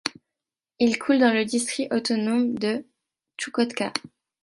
Il coule dans le district autonome de Tchoukotka.